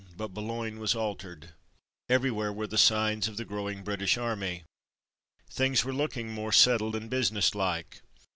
But Boulogne was altered. Everywhere were the signs of the growing British Army. Things were looking more settled and busi nesslike.